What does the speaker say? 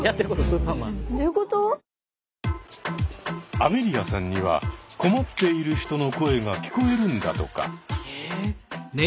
アベリアさんには困っている人の声が聞こえるんだとか。